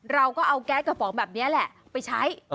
เราก็เอาแก๊สกระป๋องแบบนี้แหละไปใช้